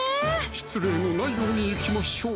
失礼のないようにいきましょう！